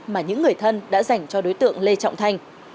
mà những người thân đã dành cho đối tượng lê trọng thanh